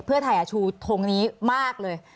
เพื่อไทยชูทงนี้มากเลย